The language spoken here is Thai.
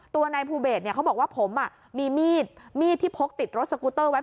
ตัวนายภูเบสเขาบอกว่าผมมีมีดที่พกติดรถสกุตเตอร์ไว้